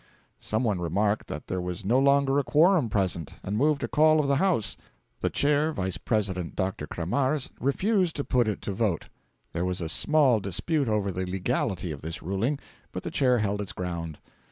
Some one remarked that there was no longer a quorum present, and moved a call of the House. The Chair (Vice President Dr. Kramarz) refused to put it to vote. There was a small dispute over the legality of this ruling, but the Chair held its ground.